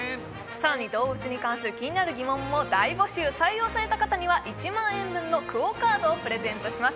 さらに動物に関する気になる疑問も大募集採用された方には１万円分のＱＵＯカードをプレゼントします